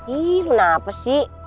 ih lo kenapa sih